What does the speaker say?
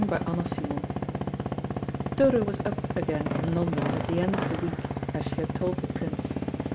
CHAPTER TWENTY ONE Dodo was up again in London at the end of the week, as she had told the Prince.